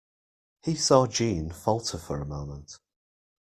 He saw Jeanne falter for a moment.